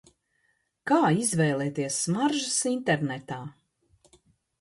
Kā izvēlēties smaržas internetā?